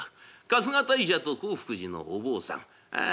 春日大社と興福寺のお坊さんああ